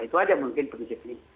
itu saja mungkin prinsipnya